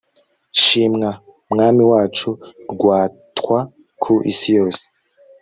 shimwa mwami wacu, rwatwa ku isi yose